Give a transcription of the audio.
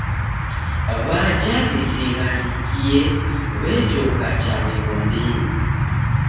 W'aja w'isigharikie w'ejoka cha mighondinyi.